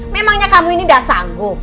memangnya kamu ini tidak sanggup